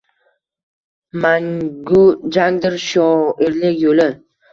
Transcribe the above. Mangu jangdir shoirlik yoʻli.